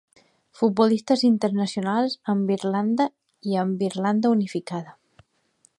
Futbolistes internacionals amb Irlanda, i amb Irlanda Unificada.